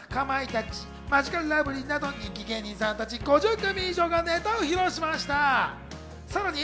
フットボールアワー、かまいたち、マヂカルラブリーなど人気芸人さんたち５０組以上がネタを披露しました。